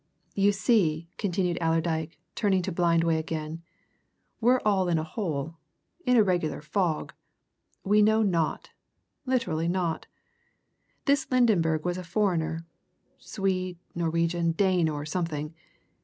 "You see," continued Allerdyke, turning to Blindway again, "we're all in a hole in a regular fog. We know naught! literally naught. This Lydenberg was a foreigner Swede, Norwegian, Dane, or something.